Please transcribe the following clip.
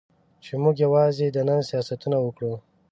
چې موږ یوازې د نن سیاستونه وکړو.